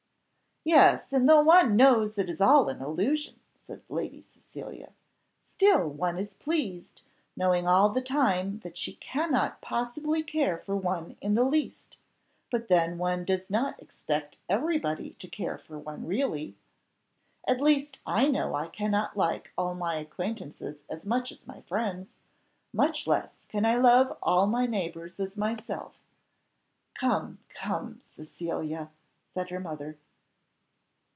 "Yes, and though one knows it is all an illusion," said Lady Cecilia, "still one is pleased, knowing all the time that she cannot possibly care for one in the least; but then one does not expect every body to care for one really; at least I know I cannot like all my acquaintance as much as my friends, much less can I love all my neighbours as myself " "Come, come! Cecilia!" said her mother.